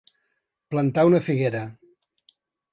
Plantar una figuera.